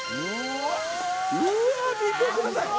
うわあ見てください！